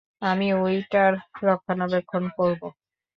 আমি ঐ টার রক্ষণাবেক্ষণ করবো।